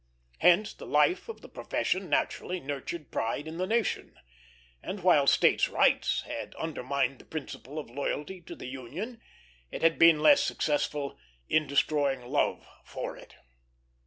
Hence, the life of the profession naturally nurtured pride in the nation; and while States' Rights had undermined the principle of loyalty to the Union, it had been less successful in destroying love for it.